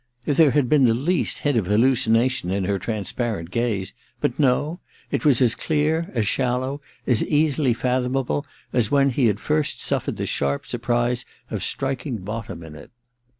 If there had been the least hint of hallucination in her transparent gaze — but no : it was as clear, as shallow, as easily fathomable as when he had first suffered the sharp surprise of striking bottom in it.